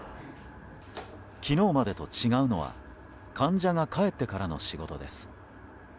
昨日までと違うのは患者が帰ってからの仕事です。